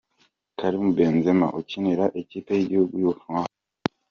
Karim Benzema ukinira ikipe y’igihugu cy’Ubufaransa.